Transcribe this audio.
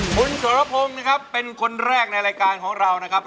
คุณสรพงศ์นะครับเป็นคนแรกในรายการของเรานะครับ